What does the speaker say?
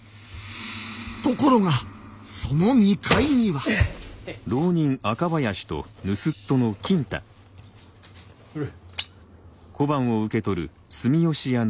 ところがその２階にはほれ！